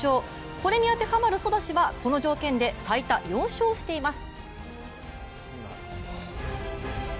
これに当てはまるソダシはこの条件で最多４勝しています。